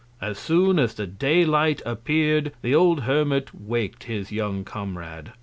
As soon as Day light appear'd, the old Hermit wak'd his young Comrade.